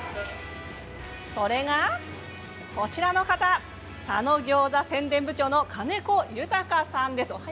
それが、こちらの方佐野餃子宣伝部長の金子裕さんです。